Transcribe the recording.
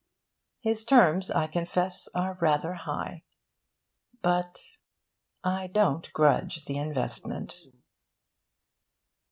His terms, I confess, are rather high. But I don't grudge the investment.